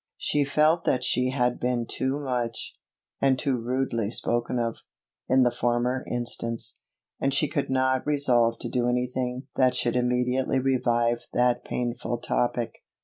She felt that she had been too much, and too rudely spoken of, in the former instance; and she could not resolve to do any thing that should immediately revive that painful topic.